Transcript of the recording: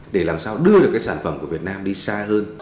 để làm sao đưa được các hợp tác văn hóa